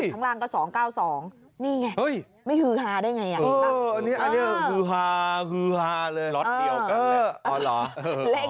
จุดข้างล่างก็๒๙๒